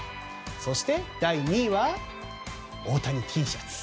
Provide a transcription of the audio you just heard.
そして第２位は大谷Ｔシャツ。